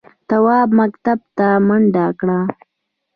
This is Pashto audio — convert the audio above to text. تواب مکتب ته منډه کړه.